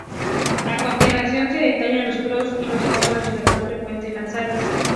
A continuación se detallan los pros y los contras de las más frecuentemente lanzadas.